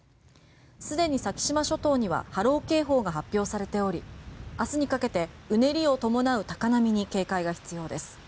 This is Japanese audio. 既に先島諸島には波浪警報が発表されており明日にかけてうねりを伴う高波に警戒が必要です。